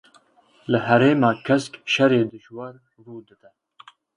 Li Herêma Kesk şerê dijwar rû dide.